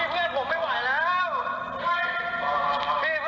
เพื่อนผมขอ